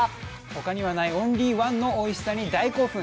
ほかにはないオンリーワンのおいしさに大興奮。